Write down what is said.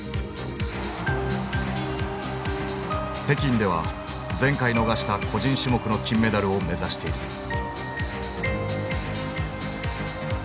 北京では前回逃した個人種目の金メダルを目指している。